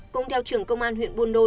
cũng theo trường công an huyện buôn đôn